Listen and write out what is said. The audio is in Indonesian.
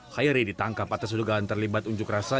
hayeri ditangkap atas hudugan terlibat unjuk rasa